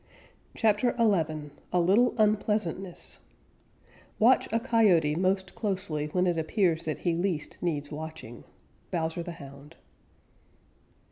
CHAPTER XI A LITTLE UNPLEASANTNESS Watch a Coyote most closely when it appears that he least needs watching. _Bowser the Hound.